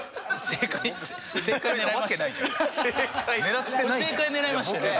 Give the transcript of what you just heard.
正解狙いましたよね？